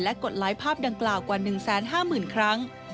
กดไลค์ภาพดังกล่าวกว่า๑๕๐๐๐ครั้ง